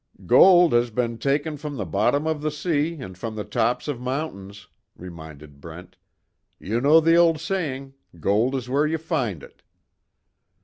"Gold has been taken from the bottom of the sea, and from the tops of mountains," reminded Brent, "You know the old saying, 'Gold is where you find it.'"